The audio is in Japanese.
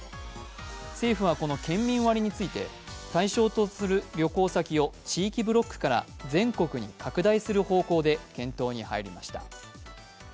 政府はこの県民割について対象とする旅行先を地域ブロックから全国に拡大する方向で検討に入りました。